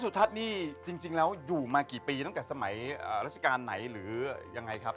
สุทัศน์นี่จริงแล้วอยู่มากี่ปีตั้งแต่สมัยราชการไหนหรือยังไงครับ